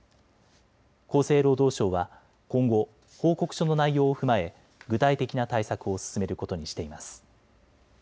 厚生労働省は今後、報告書の内容を踏まえ具体的な対策を進めることにしています。